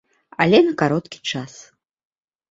Але на кароткі час.